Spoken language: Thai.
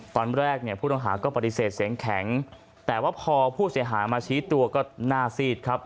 ตอนแรกเนี่ยผู้ต้องหาก็ปฏิเสธเสียงแข็งแต่ว่าพอผู้เสียหายมาชี้ตัวก็หน้าซีดครับ